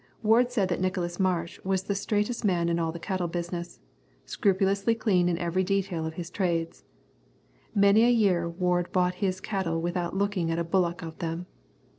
Ward said that Nicholas Marsh was the straightest man in all the cattle business, scrupulously clean in every detail of his trades. Many a year Ward bought his cattle without looking at a bullock of them.